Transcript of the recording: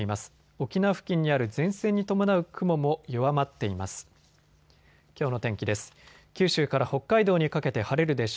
沖縄付近にある前線に伴う雲も弱まっています。